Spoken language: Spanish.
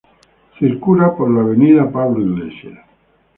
Lugar donde circula por la Avenida de Pablo Iglesias, de manera circular.